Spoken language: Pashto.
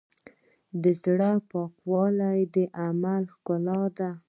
د زړۀ پاکوالی د عمل ښکلا ده.